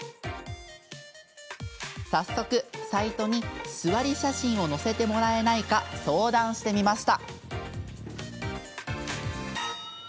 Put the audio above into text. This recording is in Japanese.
早速、サイトに座り写真を載せてもらえないか相談してみました。